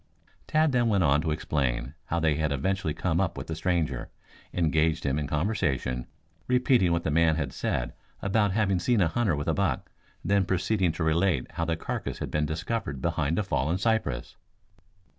Tad then went on to explain how they had eventually come up with the stranger, engaged him in conversation, repeating what the man had said about having seen a hunter with a buck, then proceeding to relate how the carcass had been discovered behind a fallen cypress.